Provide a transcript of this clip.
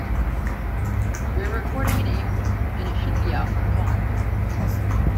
We're recording in April, and it should be out in the fall.